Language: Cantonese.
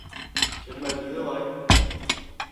請問幾多位？